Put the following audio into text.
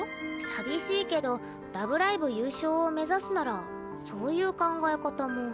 寂しいけど「ラブライブ！」優勝を目指すならそういう考え方も。